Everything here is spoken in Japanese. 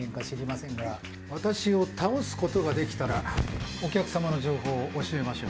私を倒すことができたらお客様の情報を教えましょう。